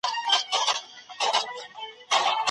د ټولنیزو معضلاتو په حل کي د هر فرد مسوولیت شریک دی.